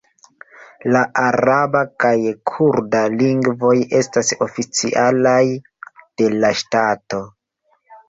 La araba kaj kurda lingvoj estas oficialaj de la ŝtato.